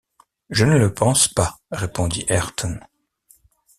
Je ne le pense pas, répondit Ayrton.